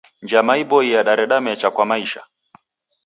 Njama iboie yadareda mecha kwa maisha.